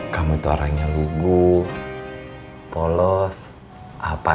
kamu itu orang yang lugu polos apadahnya